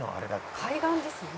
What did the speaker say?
「海岸ですね」